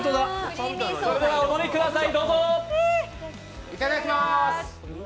それではお飲みください。